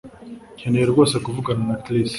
Nkeneye rwose kuvugana na Chris